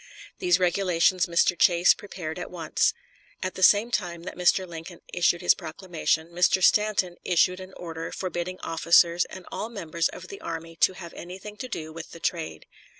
These regulations Mr. Chase prepared at once. At the same time that Mr. Lincoln issued his proclamation, Mr. Stanton issued an order forbidding officers and all members of the army to have anything to do with the trade.